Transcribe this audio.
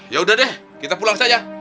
ya udah deh kita pulang saja